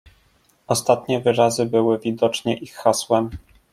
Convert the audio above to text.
"Ostatnie wyrazy były widocznie ich hasłem."